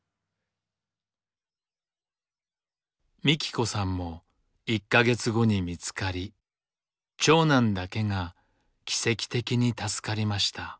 みき子さんも１か月後に見つかり長男だけが奇跡的に助かりました。